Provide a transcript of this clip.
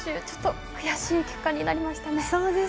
ちょっと悔しい結果になりましたね。